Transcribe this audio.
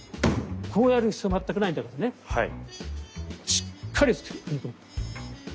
しっかりと踏み込む。